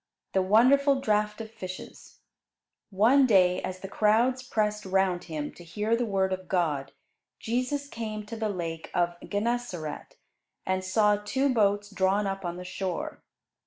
"] THE WONDERFUL DRAUGHT OF FISHES One day, as the crowds pressed round Him to hear the Word of God, Jesus came to the Lake of Gennesaret and saw two boats drawn up on the shore.